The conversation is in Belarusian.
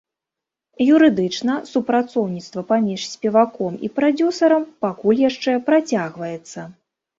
Юрыдычна супрацоўніцтва паміж спеваком і прадзюсарам пакуль яшчэ працягваецца.